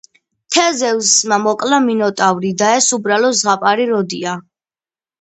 თეზევსმა მოკლა მინოტავრი, და ეს უბრალო ზღაპარი როდია.